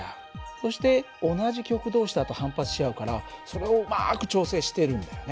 そして同じ極同士だと反発し合うからそれをうまく調整しているんだよね。